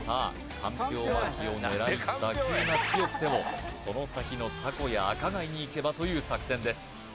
かんぴょう巻を狙い打球が強くてもその先のタコや赤貝にいけばという作戦です